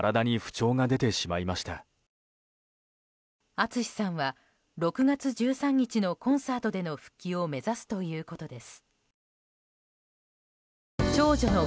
ＡＴＳＵＳＨＩさんは６月１３日のコンサートでの復帰を目指すということです。